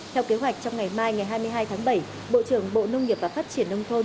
theo kế hoạch trong ngày mai ngày hai mươi hai tháng bảy bộ trưởng bộ nông nghiệp và phát triển nông thôn